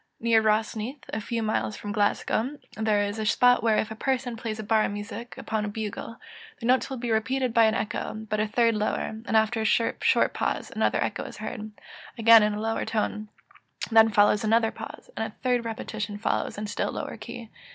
Near Rosneath, a few miles from Glasgow, there is a spot where, if a person plays a bar of music upon a bugle, the notes will be repeated by an echo, but a third lower; after a short pause, another echo is heard, again in a lower tone; then follows another pause, and a third repetition follows in a still lower key.